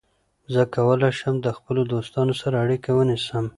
زه کولای شم د خپلو دوستانو سره اړیکه ونیسم.